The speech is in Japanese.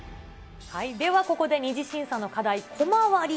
ではここで２次審査の課題、コマ割り。